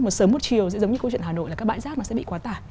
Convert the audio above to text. một sớm một chiều giống như câu chuyện hà nội là các bãi rác nó sẽ bị quá tả